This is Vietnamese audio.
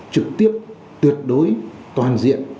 trực tiếp tuyệt đối toàn diện